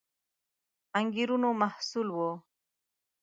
انګېرنو محصول وو